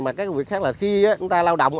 mà các công việc khác là khi chúng ta lao động